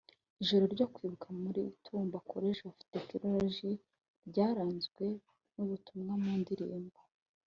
Ijoro ryo kwibuka muri Tumba College of Technology ryaranzwe n’ubutumwa mu ndirimbo